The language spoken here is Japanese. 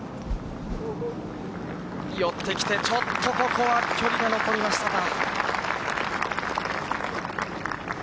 寄ってきて、ちょっとここは距離が残りましたか。